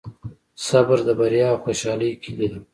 صبر د بریا او خوشحالۍ کیلي ده.